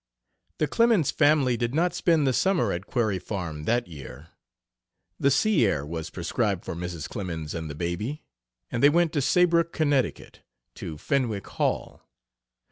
The Clemens family did not spend the summer at Quarry Farm that year. The sea air was prescribed for Mrs. Clemens and the baby, and they went to Saybrook, Connecticut, to Fenwick Hall.